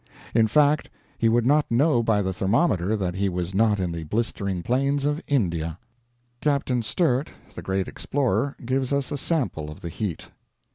In fact, he would not know by the thermometer that he was not in the blistering Plains of India. Captain Sturt, the great explorer, gives us a sample of the heat.